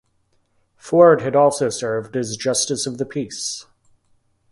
Ford had also served as justice of the peace.